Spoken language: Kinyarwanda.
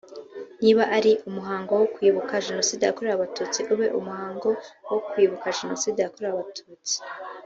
niba ari umuhango wo kwibuka Jenoside yakorewe abatutsi ube uwo umuhango wo kwibuka Jenoside yakorewe abatutsi